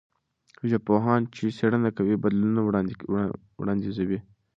ژبپوهان چې څېړنه کوي، بدلون وړاندیزوي.